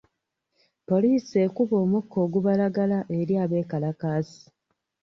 Poliisi ekuba omukka ogubalagala eri abekalakaasi.